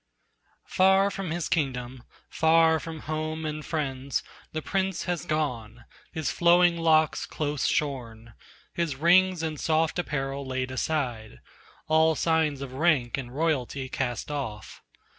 Far from his kingdom, far from home and friends, The prince has gone, his flowing locks close shorn, His rings and soft apparel laid aside, All signs of rank and royalty cast off.